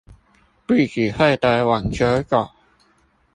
不只會得網球肘